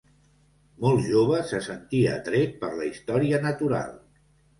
Molt jove se sentí atret per la història natural.